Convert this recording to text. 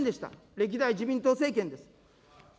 歴代自民党政権です。